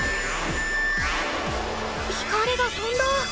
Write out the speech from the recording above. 光がとんだ！